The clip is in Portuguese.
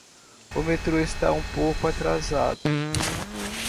O metro está um pouco atrasado.